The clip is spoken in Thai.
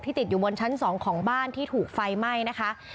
ติดอยู่บนชั้น๒ของบ้านที่ถูกไฟไหม้นะคะ